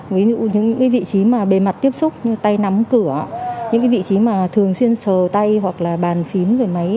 với những vị trí bề mặt tiếp xúc như tay nắm cửa những vị trí thường xuyên sờ tay hoặc bàn phím